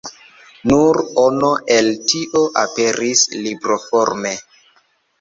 Nur ono el tio aperis libroforme.